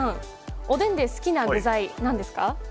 おでんで好きな具材、何ですか？